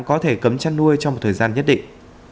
có thể cấm chăn nuôi trong một thời gian nhất định